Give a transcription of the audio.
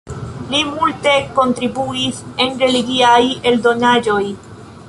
Li multe kontribuis en religiaj eldonaĵoj.